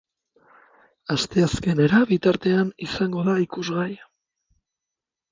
Asteazkenera bitartean izango da ikusgai.